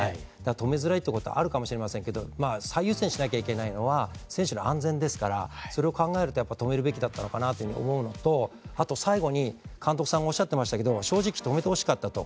止めづらいってことあるかもしれませんけど最優先しなきゃいけないのは選手の安全ですからそれを考えるとやっぱ止めるべきだったのかなというのと思うのとあと最後に監督さんがおっしゃってましたけど正直止めて欲しかったと。